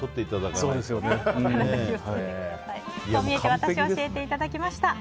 こう見えてワタシを教えていただきました。